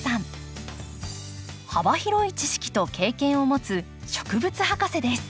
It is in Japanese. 幅広い知識と経験を持つ植物博士です。